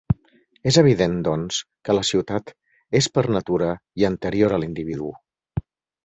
És evident, doncs, que la ciutat és per natura i anterior a l'individu.